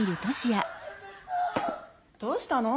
どうしたの？